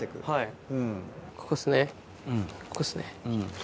はい。